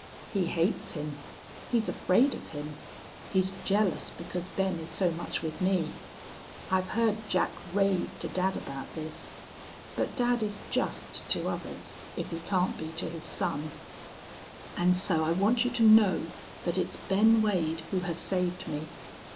He hates him. He's afraid of him. He's jealous because Ben is so much with me. I've heard Jack rave to dad about this. But dad is just to others, if he can't be to his son. "And so I want you to know that it's Ben Wade who has saved me.